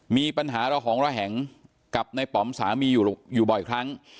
มีปัญหาระหองระแหงกับในป๋อมสามีอยู่บ่อยครั้ง